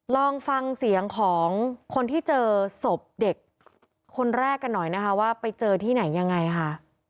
ลองฟังเสียงของคนที่เจอศพเด็กคนแรกกันหน่อยนะคะว่าไปเจอที่ไหนยังไงค่ะ